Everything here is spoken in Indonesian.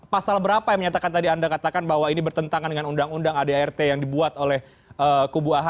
pasal berapa yang menyatakan tadi anda katakan bahwa ini bertentangan dengan undang undang adrt yang dibuat oleh kubu ahy